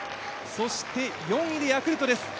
そして、４位でヤクルトです。